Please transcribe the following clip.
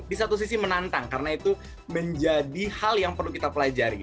di satu sisi menantang karena itu menjadi hal yang perlu kita pelajari